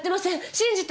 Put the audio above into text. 信じて！